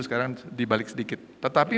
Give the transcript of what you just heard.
sekarang dibalik sedikit tetapi